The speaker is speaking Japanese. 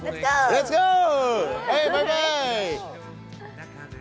レッツゴー！